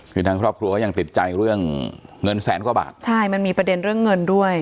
คือทางครอบครัวก็ยังติดใจเรื่องเงินแสนกว่าบาทใช่มันมีประเด็นเรื่องเงินด้วย